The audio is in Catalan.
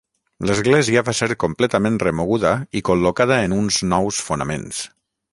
L'església va ser completament remoguda i col·locada en uns nous fonaments.